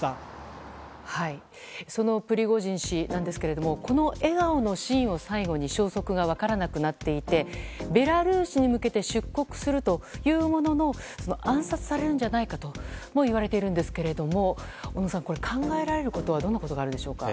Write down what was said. そのプリゴジン氏なんですがこの笑顔のシーンを最後に消息が分からなくなっていてベラルーシに向けて出国するというものの暗殺されるんじゃないかともいわれているんですが小野酸、考えられることはどんなことがあるんでしょうか。